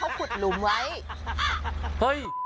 เราแบบขุดลุมไว้